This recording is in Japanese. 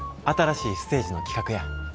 新しいステージの企画や。